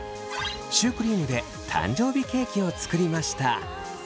シュークリームで誕生日ケーキを作りました。